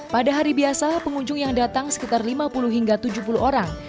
pada hari biasa pengunjung yang datang sekitar lima puluh hingga tujuh puluh orang